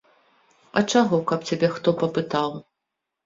А чаго, каб цябе хто папытаў.